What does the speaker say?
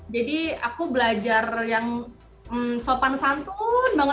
jadi aku belajar yang sopan santun banget